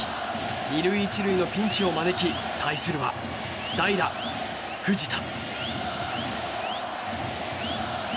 ２塁１塁のピンチを招き対するは代打、藤田。